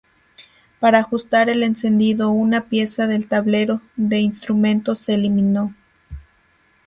Para ajustar el encendido una pieza del tablero de instrumentos se eliminó.